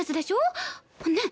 ねっ？